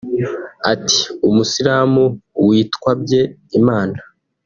Ati “Umusilamu witwabye Imana